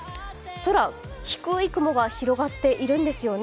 空、低い雲が広がっているんですよね。